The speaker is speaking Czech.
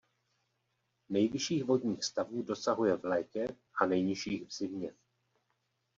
Nejvyšších vodních stavů dosahuje v létě a nejnižších v zimě.